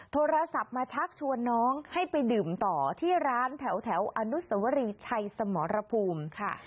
โทรศัพท์มาชักชวนน้องให้ไปดื่มต่อที่ร้านแถวอนุสวรีชัยสมรภูมิค่ะ